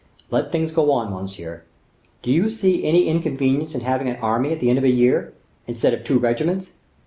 Let things go on, monsieur. Do you see any inconvenience in having an army at the end of a year, instead of two regiments?